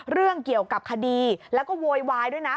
เรื่องเกี่ยวกับคดีแล้วก็โวยวายด้วยนะ